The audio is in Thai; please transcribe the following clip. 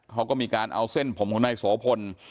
เขาก็มีการเอาเส้นผมของนายโสพล